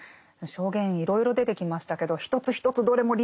証言いろいろ出てきましたけど一つ一つどれもリアルですよね。